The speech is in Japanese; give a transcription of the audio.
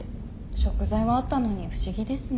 食材はあったのに不思議ですね。